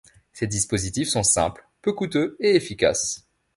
Ces dispositifs sont simples, peu coûteux et efficaces.